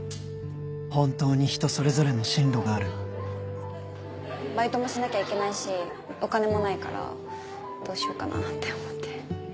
本当に人それぞれの進路があるバイトもしなきゃいけないしお金もないからどうしようかなって思って。